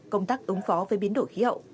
công tác ứng phó với biến đổi khí hậu